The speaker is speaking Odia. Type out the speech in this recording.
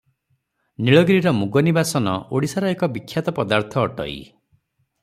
ନୀଳଗିରିର ମୁଗନିବାସନ ଓଡ଼ିଶାର ଏକ ବିଖ୍ୟାତ ପଦାର୍ଥ ଅଟଇ ।